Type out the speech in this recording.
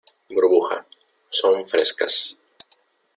burbuja, son frescas.